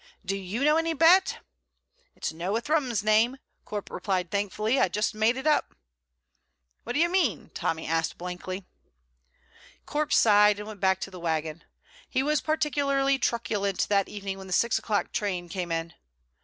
"Do you know any Bett?" "It's no a Thrums name," Corp replied thankfully. "I just made it up." "What do you mean?" Tommy asked blankly. Corp sighed, and went back again to the wagon. He was particularly truculent that evening when the six o'clock train came in.